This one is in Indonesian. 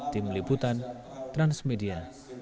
tim liputan transmedia